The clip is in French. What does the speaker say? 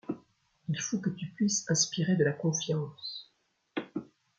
Il faut que tu puisses inspirer de la confiance !